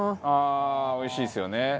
ああーおいしいですよね。